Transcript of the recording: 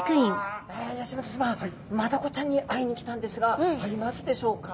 吉本さまマダコちゃんに会いに来たんですがいますでしょうか？